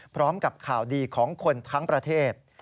พร้อมกับข่าวดีของคนทั้งประเทศ